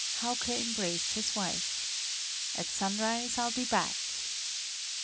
Hauke embraced his wife. "At sunrise I'll be back."